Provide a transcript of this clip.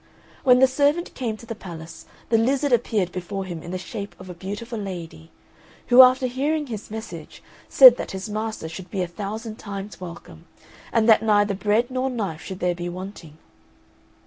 When the servant came to the palace, the lizard appeared before him in the shape of a beautiful lady; who, after hearing his message, said that his master should be a thousand times welcome, and that neither bread nor knife should there be wanting.